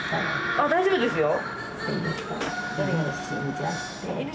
あっ大丈夫ですよ。